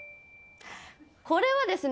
これはですね。